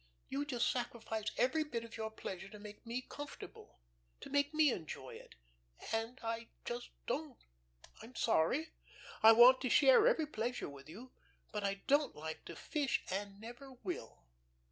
You just sacrifice every bit of your pleasure to make me comfortable to make me enjoy it; and I just don't. I'm sorry, I want to share every pleasure with you, but I don't like to fish, and never will.